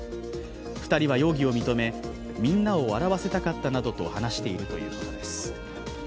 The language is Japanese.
２人は容疑を認め、みんなを笑わせたかったなどと話しているということです。